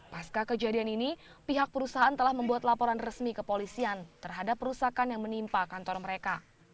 pasca kejadian ini pihak perusahaan telah membuat laporan resmi kepolisian terhadap perusahaan yang menimpa kantor mereka